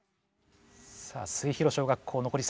さあ末広小学校のこり